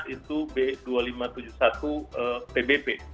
itu b dua ribu lima ratus tujuh puluh satu pbb